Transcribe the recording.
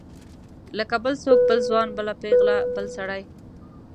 لکه بل څوک بل ځوان بله پیغله بل سړی.